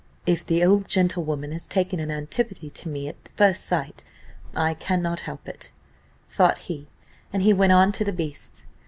"If the old gentlewoman has taken an antipathy to me at first sight, I cannot help it," thought he, and he went on to the beasts.